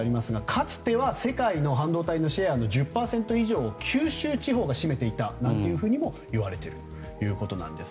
かつては世界の半導体のシェアの１０％以上を九州地方が占めていたともいわれているということです。